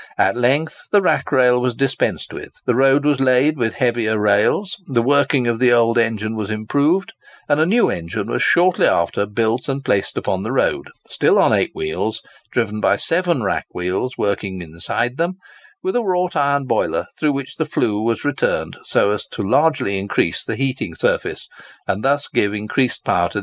At length the rack rail was dispensed with. The road was laid with heavier rails; the working of the old engine was improved; and a new engine was shortly after built and placed upon the road, still on eight wheels, driven by seven rack wheels working inside them—with a wrought iron boiler through which the flue was returned so as largely to increase the heating surface, and thus give increased power to the engine.